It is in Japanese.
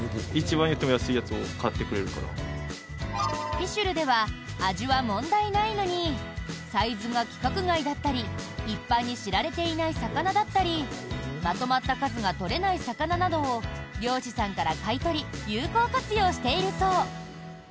フィシュルでは味は問題ないのにサイズが規格外だったり一般に知られていない魚だったりまとまった数が取れない魚などを漁師さんから買い取り有効活用しているそう。